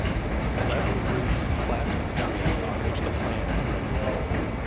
Lateral roots clasp the tree on which the plant is growing.